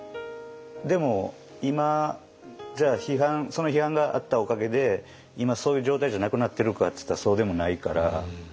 でも今その批判があったおかげで今そういう状態じゃなくなってるかっていったらそうでもないから。